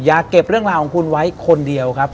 อย่าเก็บเรื่องราวของคุณไว้คนเดียวครับ